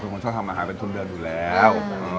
เป็นคนชอบทำอาหารเป็นทุนเดิมอยู่แล้ว